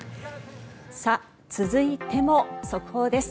続いても速報です。